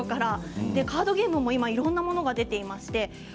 カードゲームも今いろんなものが出ています。